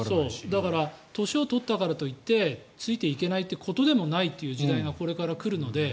だから年を取ったからといってついていけないということでもないという時代がこれから来るので。